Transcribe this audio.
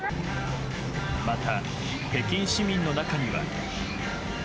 また北京市民の中には。